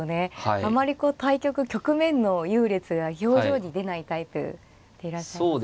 あまり対局局面の優劣が表情に出ないタイプでいらっしゃいますよね。